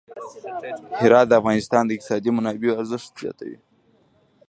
هرات د افغانستان د اقتصادي منابعو ارزښت زیاتوي.